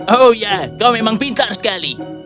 oh ya kau memang pintar sekali